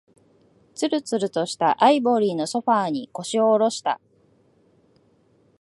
つるつるとしたアイボリーのソファーに、腰を下ろした。